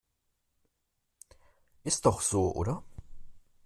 Ist doch so, oder?